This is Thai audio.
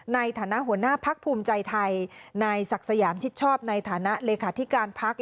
ในฐานะหัวหน้าพักภูมิใจไทยนายศักดิ์สยามชิดชอบในฐานะเลขาธิการพัก